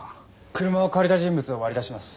車を借りた人物を割り出します。